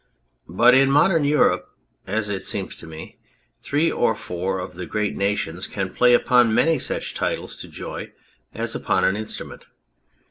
But in modern Europe, as it seems to me, three or four of the great nations can play upon many such titles to joy as upon an instrument.